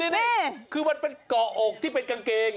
นี่คือมันเป็นเกาะอกที่เป็นกางเกง